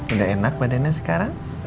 udah enak badannya sekarang